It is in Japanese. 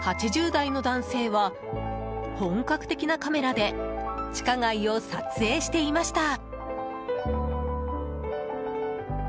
８０代の男性は本格的なカメラで地下街を撮影していました。